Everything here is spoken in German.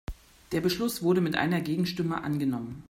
Der Beschluss wurde mit einer Gegenstimme angenommen.